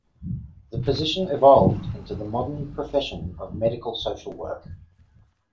This position evolved into the modern profession of medical social work.